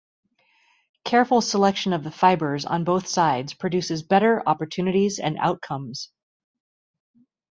Careful selection of the fibers on both sides produces better opportunities and outcomes.